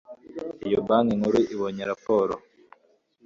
iyo banki nkuru ibonye raporo